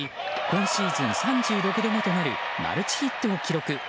今シーズン３６度目となるマルチヒットを記録。